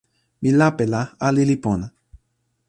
mi lape la ali li pona.